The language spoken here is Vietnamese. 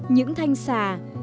những thanh xà